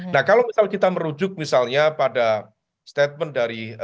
nah kalau misal kita merujuk misalnya pada statement dari